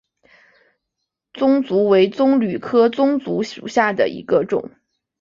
棕竹为棕榈科棕竹属下的一个种。